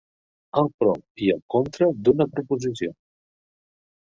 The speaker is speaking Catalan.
El pro i el contra d'una proposició.